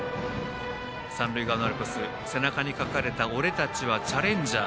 三塁側のアルプス背中に書かれた「俺たちはチャレンジャー」